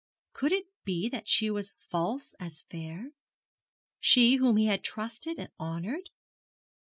Could it be that she was false as fair she whom he had so trusted and honoured?